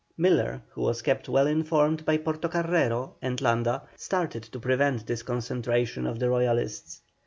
Miller, who was kept well informed by Portocarrero and Landa, started to prevent this concentration of the Royalists.